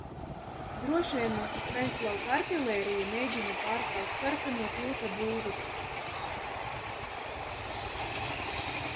Droši vien mūsu Skaistlauka artilērija mēģina pārtraukt sarkano tilta būvi.